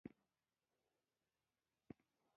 د رېل کرښه جوړه شوه.